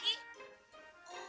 oh kayak gue